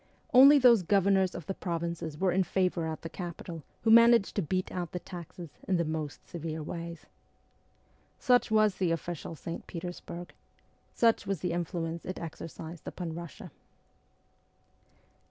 Only those governors of the provinces were in favour at the capital who managed to beat out the taxes in the most severe ways. Such was the official St. Petersburg. Such was the influence it exercised upon Russia.